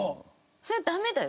それはダメだよ。